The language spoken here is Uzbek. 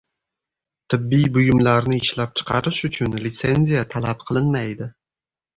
Tibbiy buyumlarni ishlab chiqarish uchun lisenziya talab qilinmaydi